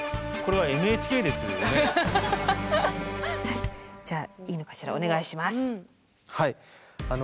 はい。